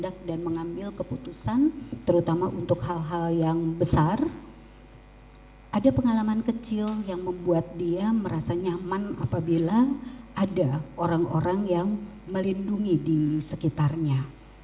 ada pengalaman kecil yang membuat dia merasa nyaman apabila ada orang orang yang melindungi di sekitarnya